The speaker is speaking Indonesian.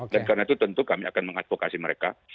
dan karena itu tentu kami akan mengadvokasi masyarakat